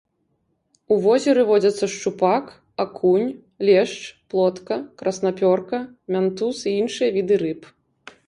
У возеры водзяцца шчупак, акунь, лешч, плотка, краснапёрка, мянтуз і іншыя віды рыб.